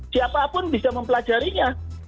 siapapun bisa mempelajarinya